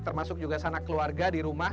termasuk juga sana keluarga di rumah